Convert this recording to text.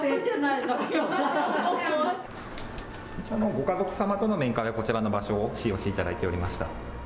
ご家族様との面会はこちらの場所を使用していただいておりました。